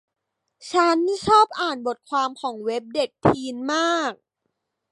ฉันชอบอ่านบทความของเว็บเด็กทีนมาก